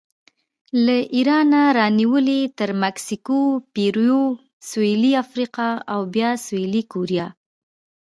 له ایرانه رانیولې تر مکسیکو، پیرو، سویلي افریقا او بیا سویلي کوریا